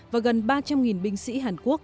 và gần ba trăm linh binh sĩ hàn quốc